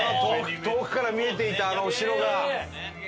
遠くから見えていたあのお城が。